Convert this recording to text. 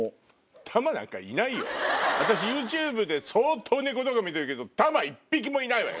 私ＹｏｕＴｕｂｅで相当猫動画見てるけどタマ１匹もいないわよ。